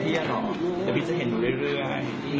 เดี๋ยวพี่จะเห็นหนูเรื่อย